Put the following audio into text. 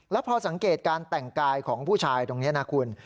แล้วพอสังเกตการแต่งกายของผู้ชายตรงนี้นะคุณ